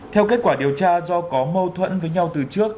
theo kết quả điều tra do có mâu thuẫn với nhau từ trước